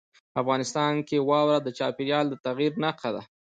افغانستان کې واوره د چاپېریال د تغیر نښه ده.